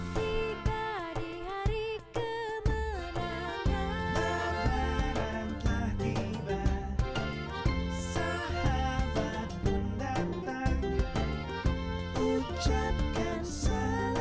sibadi hari kemenangan